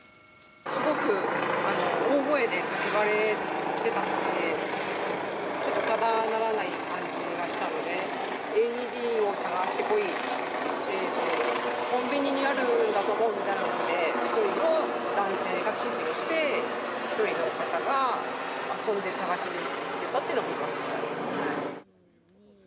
すごく大声で叫ばれてたので、ちょっとただならない感じがしたので、ＡＥＤを探してこい、コンビニにあると思うんだみたいなことで、一人の男性が指示をして、１人の方が飛んで探しにいってたっていうのを見ました。